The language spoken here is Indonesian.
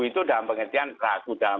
itu dalam pengertian ragu dalam